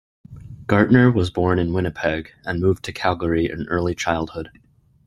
Gartner was born in Winnipeg and moved to Calgary in early childhood.